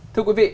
thưa quý vị